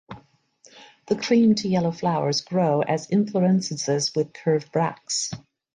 The cream to yellow flowers grow as inflorescences with curved bracts.